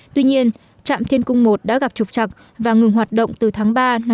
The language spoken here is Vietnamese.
tuy nhiên trạm thiên cung i đã gặp trục trặc và ngừng hoạt động từ tháng ba năm hai nghìn một mươi sáu